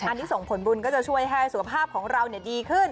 อันนี้ส่งผลบุญก็จะช่วยให้สุขภาพของเราดีขึ้น